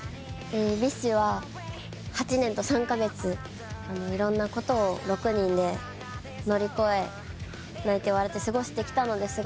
ＢｉＳＨは８年と３カ月いろんなことを６人で乗り越え泣いて笑って過ごしてきたのですが。